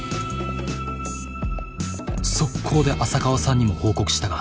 速攻で浅川さんにも報告したが。